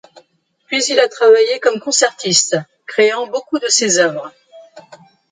Puis il a travaillé comme concertiste, créant beaucoup de ses œuvres.